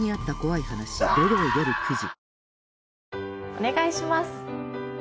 お願いします。